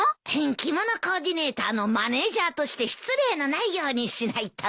着物コーディネーターのマネジャーとして失礼のないようにしないと。